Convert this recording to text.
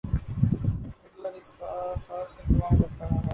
Hitler اس کا خاص اہتمام کرتا تھا۔